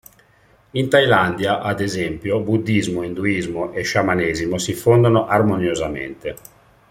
In Thailandia, ad esempio, buddismo, induismo e sciamanesimo si fondono armoniosamente.